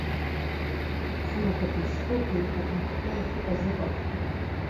Сымаҭәақәеи схылԥеи кәыкәмыкәшәа иахьыҟаз ыҟан.